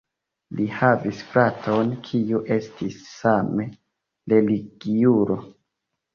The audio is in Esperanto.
Li havis fraton, kiu estis same religiulo.